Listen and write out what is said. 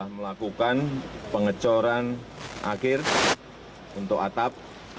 melakukan pengecoran akhir untuk atap